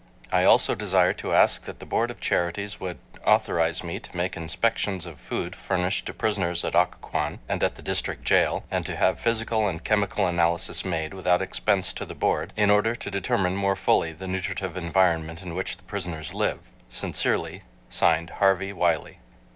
I also desire to ask that the Board of Charities would authorize me to make inspections of food furnished to prisoners at Occoquan and at the District Jail, and to have physical and chemical analysis made without expense to the Board, in order to determine more fully the nutritive environment in which the prisoners live. Sincerely, (Signed) HARVEY WILEY.